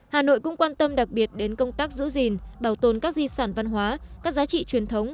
hà nội cũng quan tâm đặc biệt đến công tác giữ gìn bảo tồn các di sản văn hóa các giá trị truyền thống